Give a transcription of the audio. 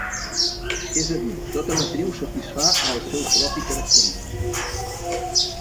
És a dir, tota matriu satisfà el seu propi característic.